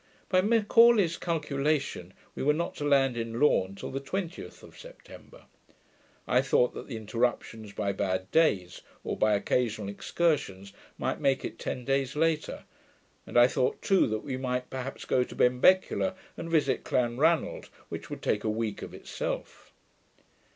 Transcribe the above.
By M'Aulay's calculation, we were not to land in Lorn till the 20th of September. I thought that the interruptions by bad days, or by occasional excursions, might make it ten days later; and I thought too, that we might perhaps go to Benbecula, and visit Clanranald, which would take a week of itself.